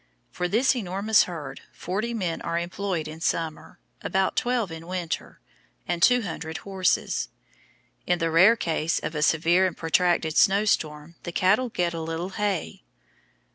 For this enormous herd 40 men are employed in summer, about 12 in winter, and 200 horses. In the rare case of a severe and protracted snowstorm the cattle get a little hay.